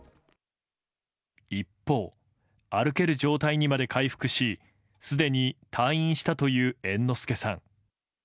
一方、歩ける状態にまで回復しすでに退院したという猿之助さん。